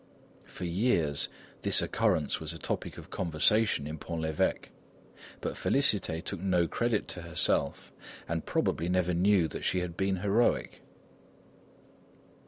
For years, this occurrence was a topic of conversation in Pont l'Evêque. But Félicité took no credit to herself, and probably never knew that she had been heroic.